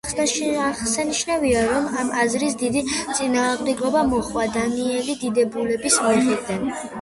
აღსანიშნავია, რომ ამ აზრს დიდი წინააღმდეგობა მოჰყვა დანიელი დიდებულების მხრიდან.